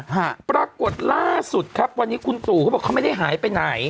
ฮะปรากฏล่าสุดครับวันนี้คุณตู่เขาบอกเขาไม่ได้หายไปไหน